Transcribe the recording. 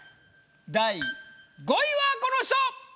第５位はこの人！